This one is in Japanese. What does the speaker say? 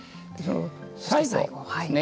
最後ですね。